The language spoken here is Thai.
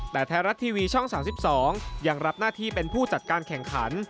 แต่ไทยรัฐทีวีช่อง๓๒ยังรับหน้าที่เป็นผู้จัดการแข่งขัน